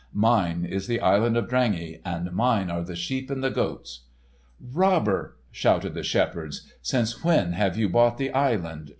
Mine is the Island of Drangey, and mine are the sheep and the goats." "Robber!" shouted the shepherds, "since when have you bought the island?